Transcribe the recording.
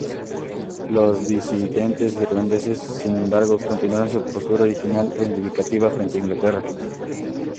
Los disidentes irlandeses, sin embargo, continuaron su postura original reivindicativa frente a Inglaterra.